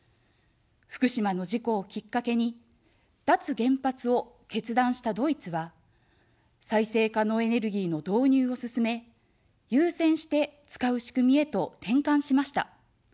福島の事故をきっかけに、脱原発を決断したドイツは、再生可能エネルギーの導入を進め、優先して使う仕組みへと転換しました。